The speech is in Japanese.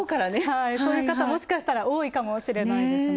そういう方、もしかしたら多いかもしれないですね。